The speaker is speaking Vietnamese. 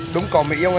đúng cỏ mỹ không anh ơi